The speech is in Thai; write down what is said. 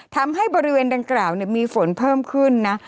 ทำให้บริเวณดังกล่าวมีฝนเพิ่มขึ้นนะ